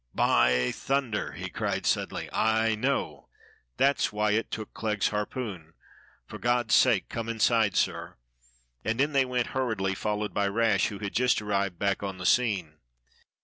By thunder!" he cried suddenly, "I know. That's why it took Clegg's harpoon. For God's sake, come inside, sir." And in they went hurriedly, fol lowed by Rash, who had just arrived back on the scene.